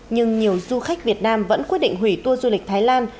nhưng nhiều du khách việt nam vẫn quyết định hủy tour du lịch thái lan